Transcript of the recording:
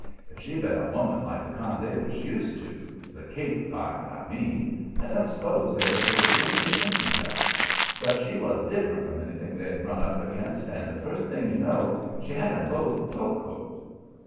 If she'd been a woman like the kind they was used to the Cape kind, I mean I don't s'pose they'd have paid any attention to her; but she was diff'rent from anything they'd ever run up against, and the first thing you know, she had 'em both poke hooked.